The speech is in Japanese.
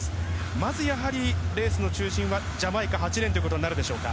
まず、やはりレースの中心はジャマイカ、８レーンとなるでしょうか。